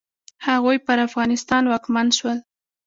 هغوی پر افغانستان واکمن شول.